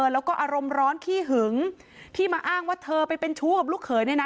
แล้วก็อารมณ์ร้อนขี้หึงที่มาอ้างว่าเธอไปเป็นชู้กับลูกเขยเนี่ยนะ